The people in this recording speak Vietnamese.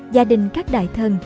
gia đình các đại thần